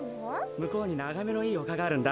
むこうにながめのいいおかがあるんだ。